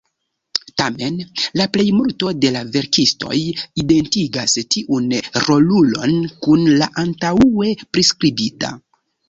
Tamen, la plejmulto de la verkistoj identigas tiun rolulon kun la antaŭe priskribita.